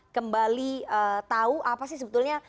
kembali tahu apa sih sebetulnya